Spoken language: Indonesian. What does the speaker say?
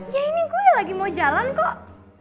ya ini gue lagi mau jalan kok